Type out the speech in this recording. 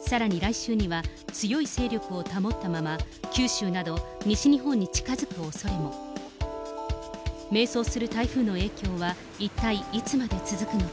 さらに来週には強い勢力を保ったまま、九州など西日本に近づくおそれも。迷走する台風の影響は一体いつまで続くのか。